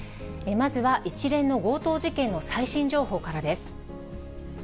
まずは一連の強盗事件の最新情報からです。